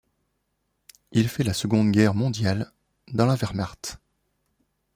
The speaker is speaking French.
Il fait la Seconde Guerre mondiale dans la Wehrmacht.